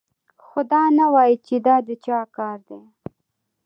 خو دا نه وايي چې دا د چا کار دی